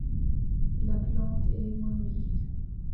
La plante est monoïque.